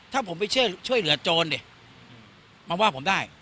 ถ้าผมไปช่วยเหลือโจรดิมาว่าผมได้